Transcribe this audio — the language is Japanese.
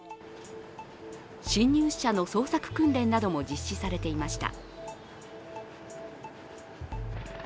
侵入者の捜索訓練なども実施されていました。